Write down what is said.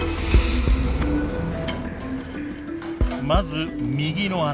まず右の穴。